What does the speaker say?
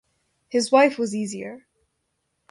His wife was easier.